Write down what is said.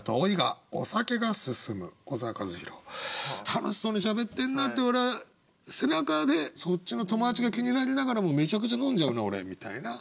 楽しそうにしゃべってんなって俺は背中でそっちの友達が気になりながらもめちゃくちゃ飲んじゃうな俺みたいな。